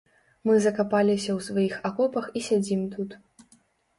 Мы закапаліся ў сваіх акопах і сядзім тут.